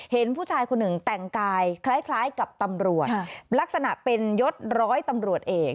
เห็นผู้ชายคนหนึ่งแต่งกายคล้ายกับตำรวจลักษณะเป็นยศร้อยตำรวจเอก